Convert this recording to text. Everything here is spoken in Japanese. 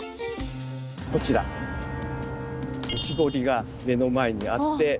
こちら内堀が目の前にあって。